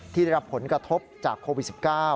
ที่ได้รับผลกระทบจากโควิด๑๙